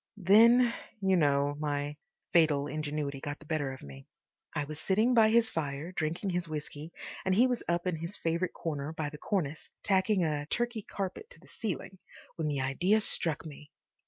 Then, you know, my fatal ingenuity got the better of me. I was sitting by his fire drinking his whisky, and he was up in his favourite corner by the cornice, tacking a Turkey carpet to the ceiling, when the idea struck me.